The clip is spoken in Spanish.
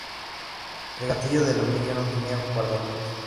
El gatillo de aluminio no tenía guardamonte.